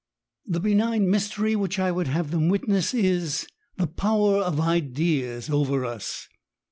The benign mystery which I would have them witness is, the power of ideas over us.